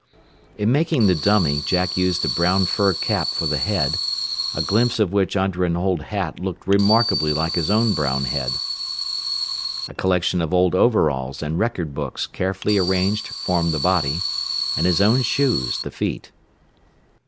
In making the dummy Jack used a brown fur cap for the head, a glimpse of which under an old hat looked remarkably like his own brown head. A collection of old overalls and record books carefully arranged formed the body, and his own shoes the feet.